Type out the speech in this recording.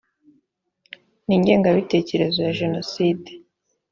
n ingengabitekerezo ya jenoside